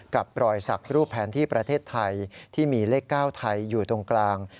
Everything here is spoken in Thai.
กับรอยสักรูปแผนที่ประเทศไทยที่มีเลข๙ไทยอยู่ตรงกลาง